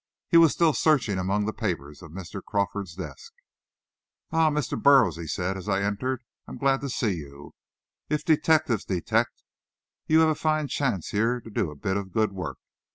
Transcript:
He was still searching among the papers of Mr. Crawford's desk. "Ah, Mr. Burroughs," he said, as I entered, "I'm glad to see you. If detectives detect, you have a fine chance here to do a bit of good work.